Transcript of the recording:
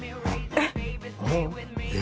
えっ？